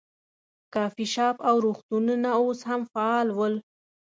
کافې شاپ او روغتونونه اوس هم فعال ول.